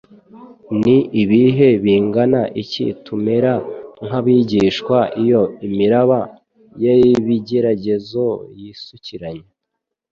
Ni ibihe bingana iki tumera nk'abigishwa! Iyo imiraba y'ibigeragezo yisukiranya